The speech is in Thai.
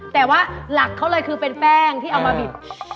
แต่ว่าหลักเขาเลยคือเป็นแป้งที่เอามาบิด